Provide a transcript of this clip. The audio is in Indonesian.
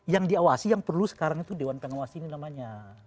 yang diawasi yang perlu sekarang itu dewan pengawas ini namanya